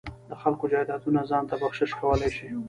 د خلکو جایدادونه ځان ته بخشش کولای شي.